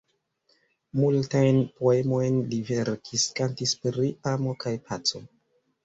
Multajn poemojn li verkis, kantis pri amo kaj paco.